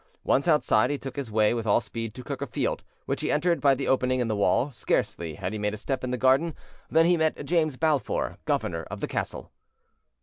Once outside, he took his way with all speed to Kirk of Field, which he entered by the opening in the wall: scarcely had he made a step in the garden than he met James Balfour, governor of the castle.